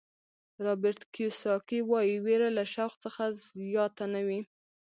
رابرټ کیوساکي وایي وېره له شوق څخه زیاته نه وي.